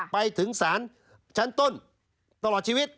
ไปถึงศาลชั้นต้นตลอดชีวิต